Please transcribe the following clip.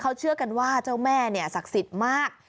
เขาเชื่อกันว่าเจ้าแม่เนี่ยศักดิ์สิทธิ์มาก